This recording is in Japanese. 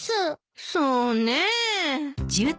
そうねえ。